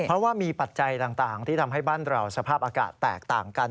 เพราะว่ามีปัจจัยต่างที่ทำให้บ้านเราสภาพอากาศแตกต่างกัน